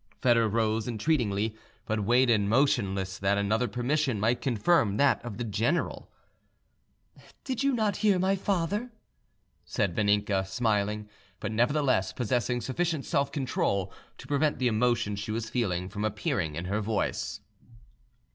Foedor rose entreatingly, but waited motionless, that another permission might confirm that of the general. "Did you not hear my father?" said Vaninka, smiling, but nevertheless possessing sufficient self control to prevent the emotion she was feeling from appearing in her voice.